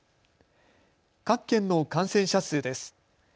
各県の感染者数です。